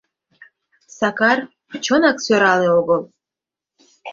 — Сакар, чынак сӧрале огыл.